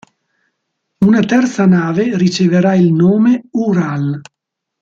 Una terza nave riceverà il nome Ural.